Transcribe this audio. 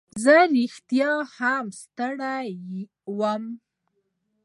زه رښتیا هم ستړی وم.